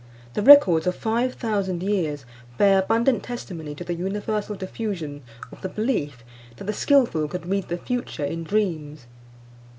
The records of five thousand years bear abundant testimony to the universal diffusion of the belief, that the skilful could read the future in dreams.